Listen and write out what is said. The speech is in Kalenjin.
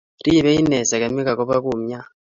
Ripei ine sekemik akopo kumyat